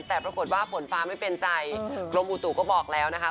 แต่ปรากฏว่าฝนฟ้าไม่เป็นใจกรมอุตุก็บอกแล้วนะคะ